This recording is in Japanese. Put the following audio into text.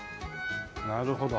なるほど。